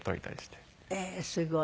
ええーすごい。